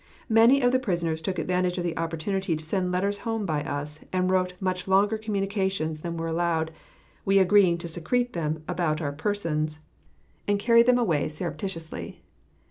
Many of the prisoners took advantage of the opportunity to send letters home by us, and wrote much longer communications than were allowed, we agreeing to secrete them about our persons, and carry them away surreptitiously.